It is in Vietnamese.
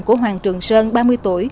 của hoàng trường sơn ba mươi tuổi